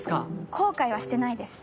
後悔はしてないです